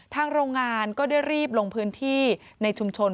โรงงานก็ได้รีบลงพื้นที่ในชุมชน